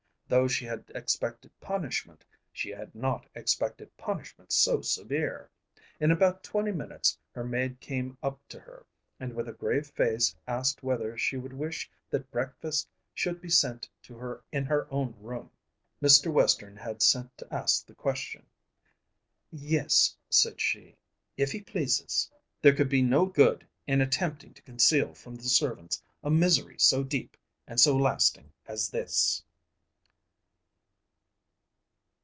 Though she had expected punishment, she had not expected punishment so severe. In about twenty minutes her maid came up to her, and with a grave face asked whether she would wish that breakfast should be sent to her in her own room. Mr. Western had sent to ask the question. "Yes," said she, "if he pleases." There could be no good in attempting to conceal from the servants a misery so deep and so lasting as this.